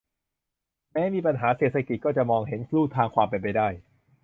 แม้มีปัญหาเศรษฐกิจก็จะมองเห็นลู่ทางความเป็นไปได้